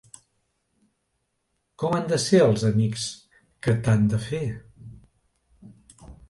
Com han de ser els amics que t'han de fer?